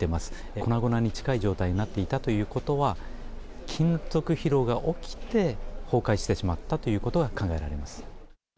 粉々に近い状態になっていたということは、金属疲労が起きて、崩壊してしまったということが考えられます。